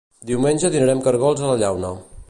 Diumenge dinarem cargols a la llauna